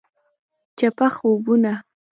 چپه خوبونه …